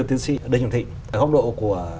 tiến sĩ đinh trọng thị ở góc độ của